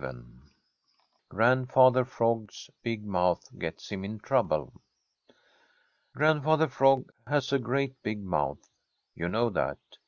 VII GRANDFATHER FROG'S BIG MOUTH GETS HIM IN TROUBLE Grandfather Frog has a great big mouth. You know that.